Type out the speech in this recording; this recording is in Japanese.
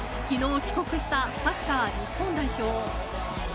昨日帰国したサッカー日本代表。